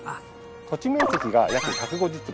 土地面積が約１５０坪。